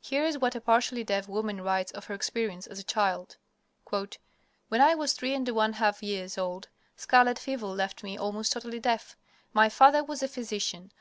Here is what a partially deaf woman writes of her experience as a child: "When I was three and one half years old scarlet fever left me almost totally deaf. My father was a physician.